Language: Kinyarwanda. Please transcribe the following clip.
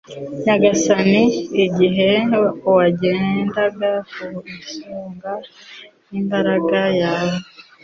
Nyagasani igihe wagendaga ku isonga y’imbaga yawe